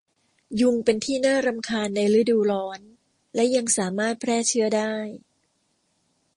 ยุงเป็นที่น่ารำคาญในฤดูร้อนและยังสามารถแพร่เชื้อได้